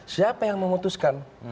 siapa yang memutuskan